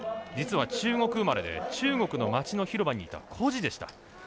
実は中国生まれで中国の町の広場にいた孤児でした。